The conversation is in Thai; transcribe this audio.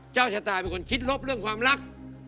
เจ้าชะตาเป็นคนคิดลบเรื่องความรัก